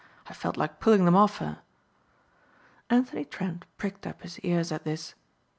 I felt like pulling them off her." Anthony Trent pricked up his ears at this.